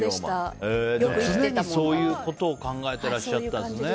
常にそういうことを考えてらっしゃったんですね。